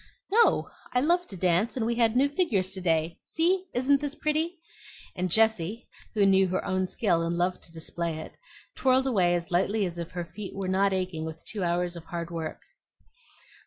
"No; I love to dance, and we had new figures to day. See! isn't this pretty?" and Jessie, who knew her own skill and loved to display it, twirled away as lightly as if her feet were not aching with two hours of hard work.